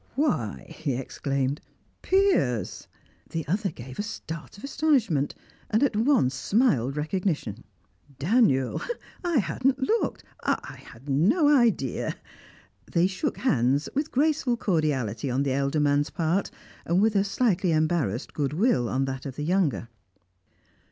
"Why," he exclaimed, "Piers!" The other gave a start of astonishment, and at once smiled recognition. "Daniel! I hadn't looked I had no idea " They shook hands, with graceful cordiality on the elder man's part, with a slightly embarrassed goodwill on that of the younger.